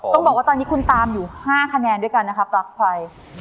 ต้องบอกว่าตอนนี้คุณตามอยู่๕คะแนนด้วยกันนะครับปลั๊กไฟ